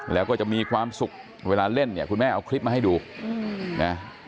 แล้วก็จะมีความสุขเวลาเล่นเนี่ยคุณแม่เอาคลิปมาให้ดูนะ